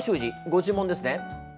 ご注文ですね？